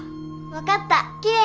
分かった。